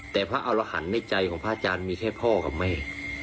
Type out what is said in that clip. แต่พระอารหันต์ในใจของพระอาจารย์มีแค่พ่อกับแม่